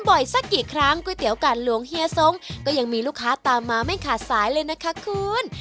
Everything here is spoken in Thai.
สักกี่ครั้งก๋วยเตี๋ยวการหลวงเฮียทรงก็ยังมีลูกค้าตามมาไม่ขาดสายเลยนะคะคุณ